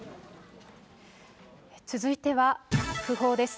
続いては、ふ報です。